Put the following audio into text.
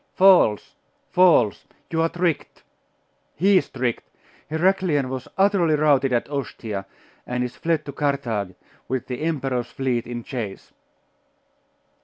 'False! false! you are tricked! He is tricked! Heraclian was utterly routed at Ostia, and is fled to Carthage, with the emperor's fleet in chase.